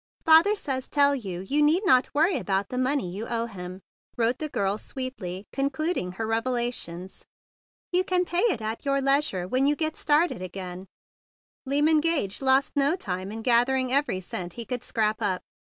"Father says, tell you you need not worry about the money you owe him," wrote the girl sweetly, concluding her 96 THE BIG BLUE SOLDIER 29 revelations. "You can pay it at your leisure when you get started again/* Lyman Gage lost no time in gather¬ ing together every cent he could scrape up.